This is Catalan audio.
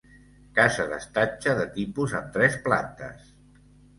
Casa d'estatge de tipus amb tres plantes.